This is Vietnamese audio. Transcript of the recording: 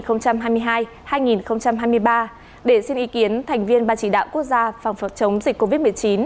trong hai năm hai nghìn hai mươi hai hai nghìn hai mươi ba để xin ý kiến thành viên ba chỉ đạo quốc gia phòng phục chống dịch covid một mươi chín